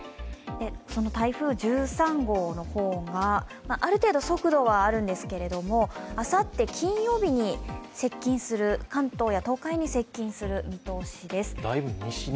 その台風１３号はある程度速度はあるんですけれども、あさって金曜日に関東や東海に接近する見通しです。